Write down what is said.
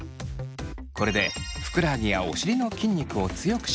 これでふくらはぎやお尻の筋肉を強くします。